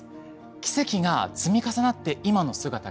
奇跡が積み重なって今の姿があって。